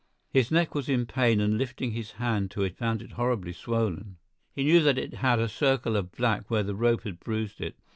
His neck was in pain and lifting his hand to it found it horribly swollen. He knew that it had a circle of black where the rope had bruised it.